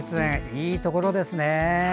いいところですね。